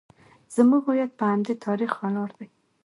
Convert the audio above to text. زموږ هویت په همدې تاریخ ولاړ دی